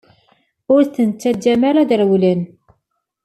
Ur ten-ttaǧǧamt ara ad rewlen!